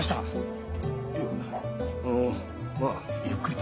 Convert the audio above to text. いやあのまあゆっくりと。